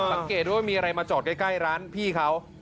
สังเกตว่ามีอะไรมาจอดใกล้ร้านพี่เขา